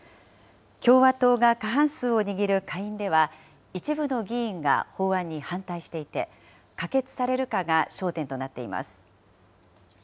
共和党が過半数を握る下院では、一部の議員が法案に反対していて、可決されるかが焦点となっています。